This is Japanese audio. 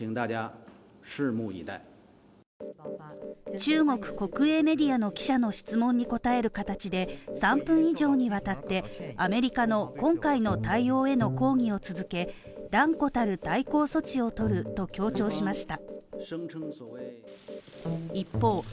中国国営メディアの記者の質問に答える形で３分以上にわたってアメリカの今回の対応への抗議を続け、断固たる対抗措置を取ると強調しました。